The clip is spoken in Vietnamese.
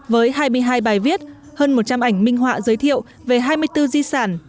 với hai mươi hai bài viết hơn một trăm linh ảnh minh họa giới thiệu về hai mươi bốn di sản